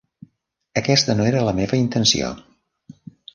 Aquesta no era la meva intenció.